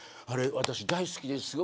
あれ私大好きです。